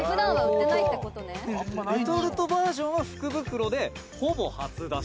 宮田：「レトルトバージョンは福袋で、ほぼ初出し」